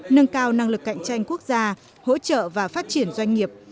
nâng cao năng lực cạnh tranh quốc gia hỗ trợ và phát triển doanh nghiệp